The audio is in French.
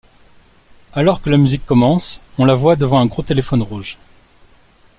Alors que la musique commence, on la voit devant un gros téléphone rouge.